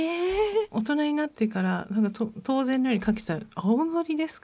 ⁉大人になってから当然のようにかけてたら「青のりですか？」